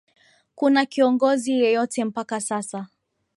kuna kiongozi yeyote mpaka sasa